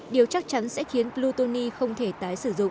điều chắc chắn sẽ khiến plutony không thể tái sử dụng